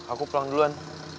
aku pulang duluan